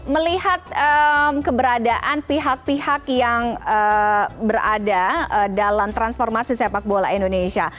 melihat keberadaan pihak pihak yang berada dalam transformasi sepak bola indonesia